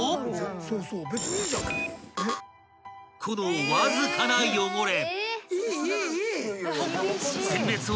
［このわずかな汚れ］